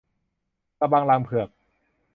กะบังรังเฝือก